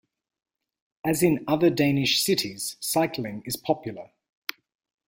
As in other Danish cities, cycling is popular.